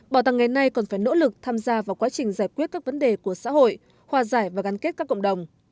bảo tàng ngày nay còn phải nỗ lực tham gia vào quá trình giải quyết các vấn đề của xã hội hòa giải và gắn kết các cộng đồng